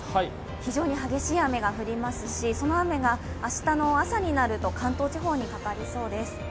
非常に激しい雨が降りますし、その雨が明日の朝になると関東地方にかかりそうです。